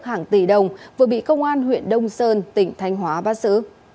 hàng tỷ đồng vừa bị công an huyện đông sơn tỉnh thanh hóa vắt xứ